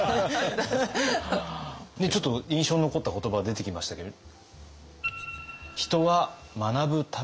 ちょっと印象に残った言葉出てきましたけど。